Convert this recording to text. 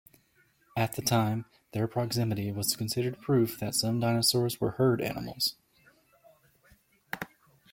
At the time, their proximity was considered proof that some dinosaurs were herd animals.